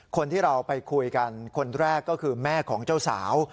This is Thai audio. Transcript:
คนที่เราไปคุยกันคนแรกก็คือแม่ของเจ้าสาว